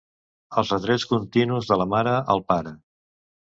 Els retrets continus de la mare al pare...